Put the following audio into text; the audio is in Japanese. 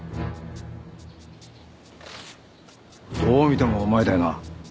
どう見てもお前だよな。